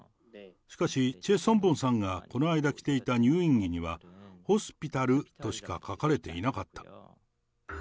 しかし、チェ・ソンボンさんがこの間着ていた入院着には、ホスピタルとしか書かれていなかった。